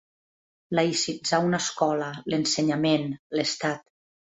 Laïcitzar una escola, l'ensenyament, l'estat.